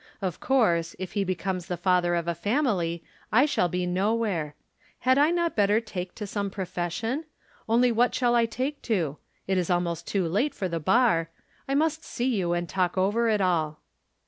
Of course, if he becomes the father of a family I shall be nowhere. Had I not better take to some profession? Only what shall I take to? It is almost too late for the Bar. I must see you and talk over it all.